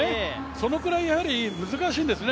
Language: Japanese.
そのくらい、やはり難しいんですね